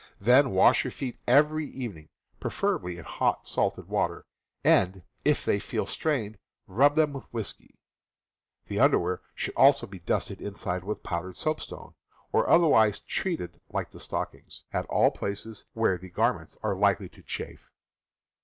Then wash your feet every evening, preferably in hot salted water, and, if they feel strained, rub them with whiskey. The underwear should also be dusted inside with powdered soapstone, or otherwise treated like the stockings, at all places 182 CAMPING AND WOODCRAFT where the garments are likely to chafe.